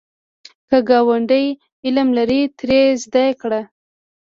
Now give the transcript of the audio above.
که ګاونډی علم لري، ترې زده کړه